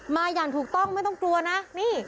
มาอย่างถูกต้องไม่ต้องกลัวนะนี่